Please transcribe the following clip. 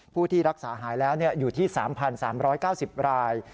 ผู้ที่รักษาหายแล้วอยู่ที่๓๓๙๐ราย